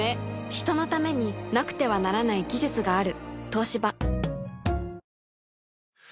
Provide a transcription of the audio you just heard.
人のためになくてはならない技術がある。